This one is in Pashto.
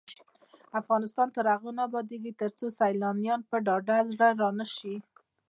افغانستان تر هغو نه ابادیږي، ترڅو سیلانیان په ډاډه زړه را نشي.